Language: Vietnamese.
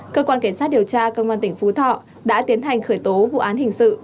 cơ quan cảnh sát điều tra công an tỉnh phú thọ đã tiến hành khởi tố vụ án hình sự